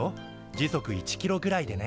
時速１キロぐらいでね。